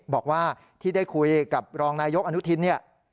บอกว่าที่ได้คุยกับรองนายกอนุทินเนี่ย